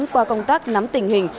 qua công tác nắm tình hình